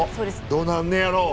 どうなんねやろ。